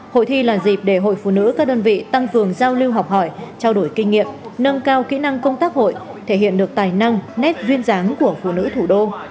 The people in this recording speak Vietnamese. hội thi là dịp để hội phụ nữ các đơn vị tăng cường giao lưu học hỏi trao đổi kinh nghiệm nâng cao kỹ năng công tác hội thể hiện được tài năng nét duyên dáng của phụ nữ thủ đô